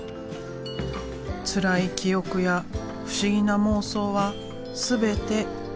つらい記憶や不思議な妄想は全て絵の中に。